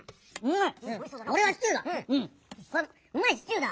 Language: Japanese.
うん！